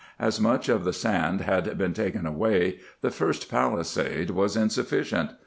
As much of the sand had been taken away, the first palisade was insufficient.